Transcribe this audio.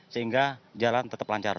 sehingga jalan tetap lancar